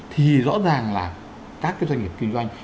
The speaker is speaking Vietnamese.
thì rõ ràng là các cái doanh nghiệp kinh doanh